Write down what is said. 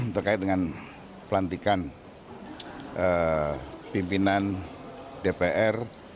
terkait dengan pelantikan pimpinan dpr